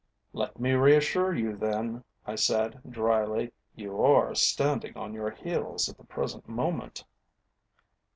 "Let me reassure you then," I said dryly. "You are standing on your heels at the present moment."